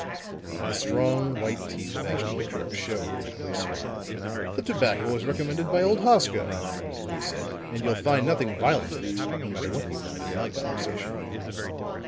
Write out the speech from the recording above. The strong, white teeth of Ashton Kirk showed in a quick smile. "The tobacco was recommended by old Hosko," he said, "and you'll find nothing violent in it, no matter what you find in my conversation."